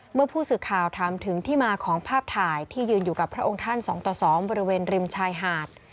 เมื่อผู้สื่อข่าวถามถึงที่มาของภาพถ่ายที่ยืนอยู่กับพระองค์ท่าน๒ต่อ๒บริเวณริมชายหาด